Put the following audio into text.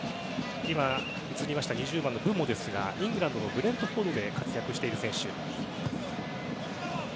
２０番、ブモですがイングランドのブレントフォードで活躍している選手。